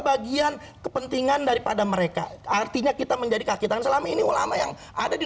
bagian kepentingan daripada mereka artinya kita menjadi kaki tangan selama ini ulama yang ada di